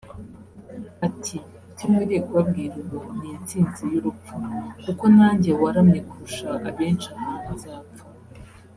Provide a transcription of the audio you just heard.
Ati “Icyo nkwiriye kubabwira ubu ni intsinzi y’urupfu kuko nanjye waramye kurusha abenshi aha nzapfa